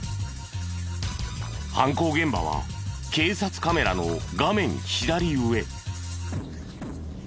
犯行現場は警察カメラの画面左上。